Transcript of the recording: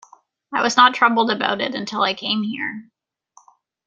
I was not troubled about it until I came here.